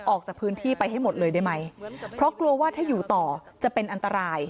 ออกจากพื้นที่ไปให้หมดเลยได้ไหมเพราะกลัวว่าถ้าอยู่ต่อจะเป็นอันตราย